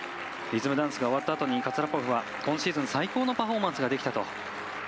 リズムダンスが終わったあとにカツァラポフは今シーズン最高のパフォーマンスができたと。